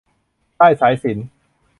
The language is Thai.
ด้ายสายสิญจน์